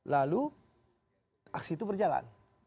lalu aksi itu berjalan